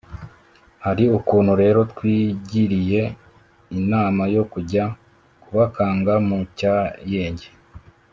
hari ukuntu rero twigiriye inama yo kujya tubakanga mu cyayenge